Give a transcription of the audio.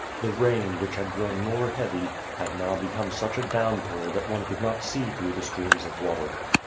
The rain, which had grown more heavy, had now become such a downpour that one could not see through the streams of water.